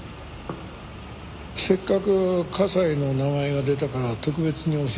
せっかく加西の名前が出たから特別に教えてあげよう。